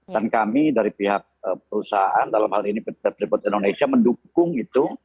dan kami dari pihak perusahaan dalam hal ini pt freeport indonesia mendukung itu